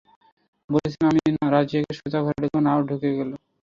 বলেছিলাম আমি রাজিয়াকে, সোজা ঘরে ঢুকবো, নাও ঢুকে গেলাম!